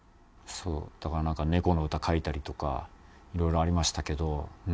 だから猫の歌書いたりとかいろいろありましたけど。